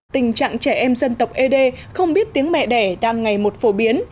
tình trạng trẻ em dân tộc ế đê không biết tiếng mẹ đẻ đang ngày một phổ biến